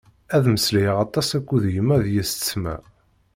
Ad mmeslayeɣ aṭas akked yemma d yessetma.